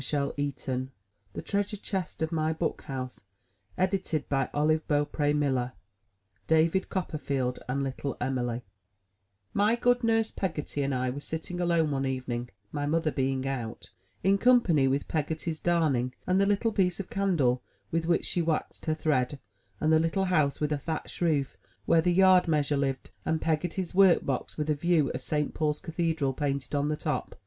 Soft are the moss beds under the sea; We would live merrily, merrily. 97 MY BOOK HOUSE DAVID COPPERFIELD AND LITTLE EMXY* Charles Dickens Y good nurse, Peggotty, and I were sitting alone one evening (my mother being out), in company with Peggotty's darning, and the little piece of candle with which she waxed her thread, and the little house with a thatched roof where the yard measure lived, and Peggotty's work box with a view of St. Paul's cathedral painted on the top.